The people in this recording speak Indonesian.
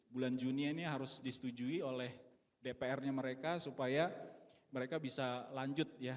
bulan juni ini harus disetujui oleh dpr nya mereka supaya mereka bisa lanjut ya